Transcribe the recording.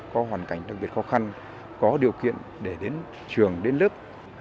có hoàn cảnh đặc biệt khó khăn có điều kiện để đến trường đến lớp